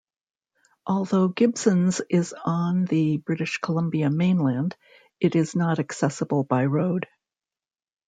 Although Gibsons is on the British Columbia mainland, it is not accessible by road.